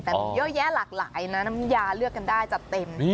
แต่มีเยอะแยะหลากหลายนะน้ำยาเลือกกันได้จัดเต็ม